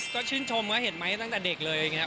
ก็ชื่นชมเห็นไม้ตั้งแต่เด็กเลย